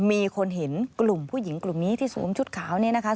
มีคนเห็นกลุ่มผู้หญิงกลุ่มนี้ที่สวมชุดขาวเนี่ยนะคะ